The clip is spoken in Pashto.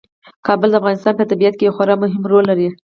کابل د افغانستان په طبیعت کې یو خورا مهم رول لري.